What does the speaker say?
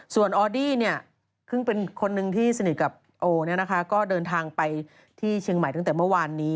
ส่วนออดี้ซึ่งเป็นคนนึงที่สนิทกับโอก็เดินทางไปที่เชียงใหม่ตั้งแต่เมื่อวานนี้